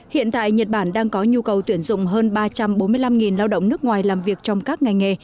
hiện tại nhật bản đang có nhu cầu tuyển dụng hơn ba trăm bốn mươi năm lao động nước ngoài làm việc trong các ngành nghề